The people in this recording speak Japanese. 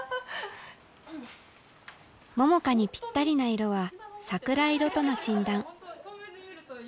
桃佳にぴったりな色は桜色との診断。